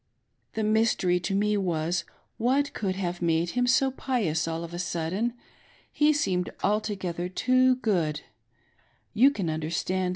The mystery to me was, what could have made him so pious all of a sudden — he seemed altogether too good — You can under stand.